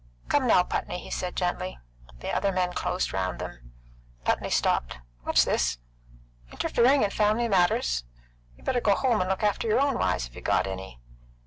"Come now, Putney," he said gently. The other men closed round them. Putney stopped. "What's this? Interfering in family matters? You better go home and look after your own wives, if you got any.